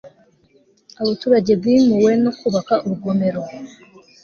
abaturage bimuwe no kubaka urugomero